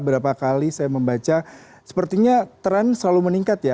berapa kali saya membaca sepertinya tren selalu meningkat ya